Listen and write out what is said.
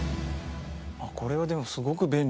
これはでもすごく便利。